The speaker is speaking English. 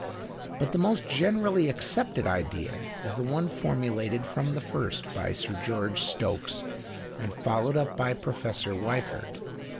But the most generally accepted idea is the one formulated from the first by Sir George Stokes and followed up by Professor Wiechert.